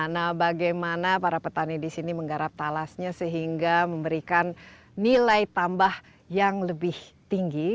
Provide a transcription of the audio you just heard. nah bagaimana para petani di sini menggarap talasnya sehingga memberikan nilai tambah yang lebih tinggi